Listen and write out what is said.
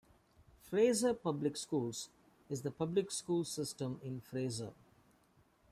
Fraser Public Schools is the public school system in Fraser.